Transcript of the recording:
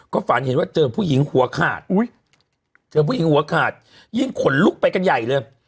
ก็ฝันเห็นว่าเจอผู้หญิงหัวขาดยิ่งขนลุกไปกันใหญ่เลย